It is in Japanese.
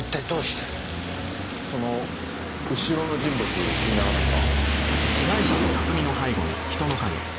その後ろの人物気にならないか？